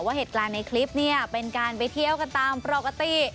เหตุการณ์ในคลิปเนี่ยเป็นการไปเที่ยวกันตามปกติ